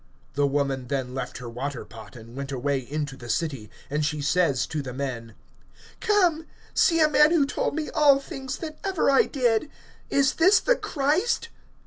(28)The woman then left her water pot, and went away into the city; and she says to the men: (29)Come, see a man who told me all things that ever I did. Is this the Christ?